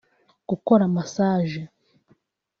Gukora massage